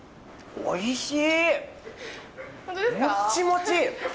おいしい！